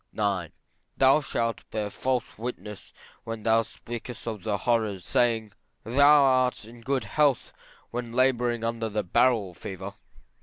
IX. Thou shalt bear false witness when thou speakest of the horrors, saying, Thou art in good health when labouring under the barrel fever.